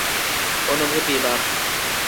অনুভূতি, বাপ।